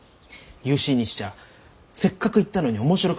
ユーシーにしちゃせっかく行ったのに面白くないだろう？